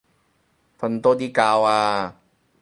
瞓多啲覺啊